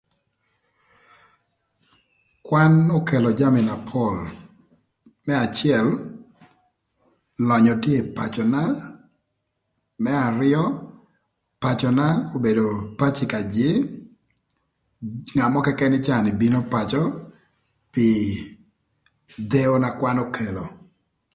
Kwan okelo jami na pol, më acël lönyö tye ï pacöna, më arïö pacöna obedo pacö ka jïï, ngat mörö këkën ï caa ni bino pacö pï dheo na kwan okelo